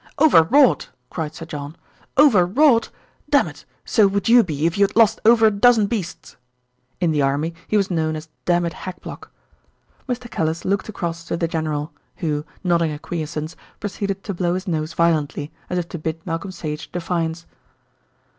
"Over wrought!" cried Sir John. "Over wrought! Dammit, so would you be if you had lost over a dozen beasts." In the army he was known as "Dammit Hackblock." Mr. Callice looked across to the general, who, nodding acquiescence, proceeded to blow his nose violently, as if to bid Malcolm Sage defiance.